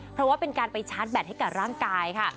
เพราะว่าเป็นการไปชาร์จแบตให้กับร่างกายค่ะ